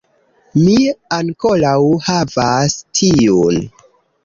Mi ankoraŭ havas tiun